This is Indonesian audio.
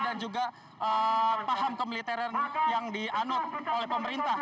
dan juga paham kemiliteran yang dianut oleh pemerintah